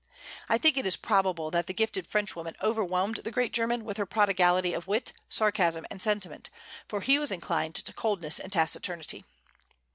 I think it is probable that the gifted Frenchwoman overwhelmed the great German with her prodigality of wit, sarcasm, and sentiment, for he was inclined to coldness and taciturnity.